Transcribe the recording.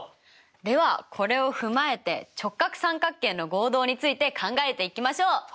ではこれを踏まえて直角三角形の合同について考えていきましょう。